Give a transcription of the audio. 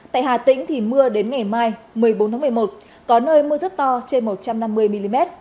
tại hà tĩnh thì mưa đến ngày mai một mươi bốn tháng một mươi một có nơi mưa rất to trên một trăm năm mươi mm